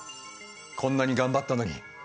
こんなに頑張ったのに。